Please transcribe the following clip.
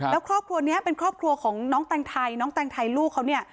แล้วครอบครัวนี้เป็นครอบครัวของน้องแตงไทยน้องแตงไทยลูกเขาเนี่ย